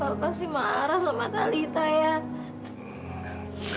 pak pasti marah sama talitha ya